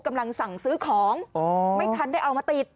กำลังสั่งซื้อของไม่ทันได้เอามาติด